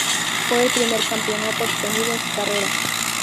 Fue el primer campeonato obtenido en su carrera.